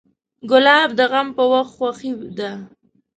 ګلاب د غم په وخت خوښي ده.